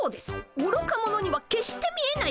おろか者には決して見えない？